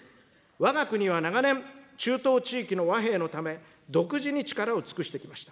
わが国は長年、中東地域の和平のため、独自に力を尽くしてきました。